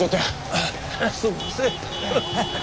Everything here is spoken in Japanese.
あっすんません。